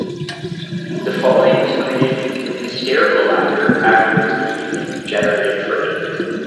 The following was greeted with hysterical laughter after which the evening degenerated further.